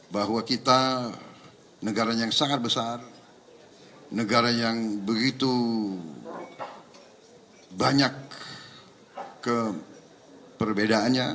bahwa kita negara yang sangat besar negara yang begitu banyak perbedaannya